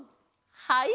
はい！